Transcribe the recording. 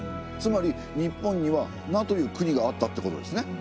つまり日本には奴という国があったってことですね。